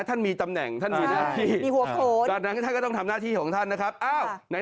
ท่านมีตำแหน่งท่านมีหน้าที่มีหัวโขนจากนั้นท่านก็ต้องทำหน้าที่ของท่านนะครับ